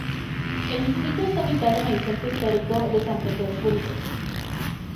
El distrito está ubicado en el centro histórico de San Petersburgo.